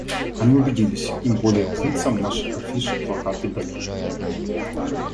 Они убедились — им более к лицам наши афиши, плакаты борьбы.